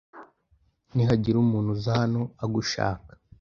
nihagira umuntu uza hano agushaka